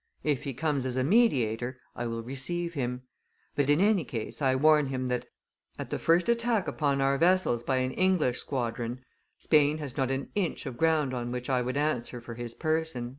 If he comes as a mediator I will receive him; but in any case I warn him that, at the first attack upon our vessels by an English squadron, Spain has not an inch of ground on which I would answer for his person."